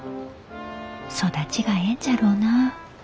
育ちがえんじゃろうなあ。